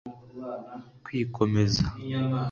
Kwikomeza